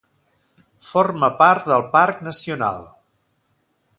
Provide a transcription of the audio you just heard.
Forma part del parc nacional.